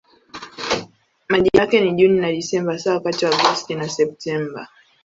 Majira yake ni Juni na Desemba hasa wakati wa Agosti na Septemba.